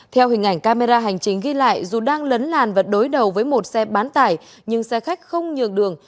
theo hình ảnh camera hành chính ghi lại dù đang lấn làn và đối đầu với một xe bán tải nhưng xe khách không nhường đường